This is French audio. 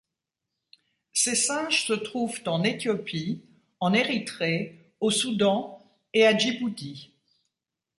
Ces singes se trouvent en Éthiopie, en Érythrée, au Soudan et à Djibouti.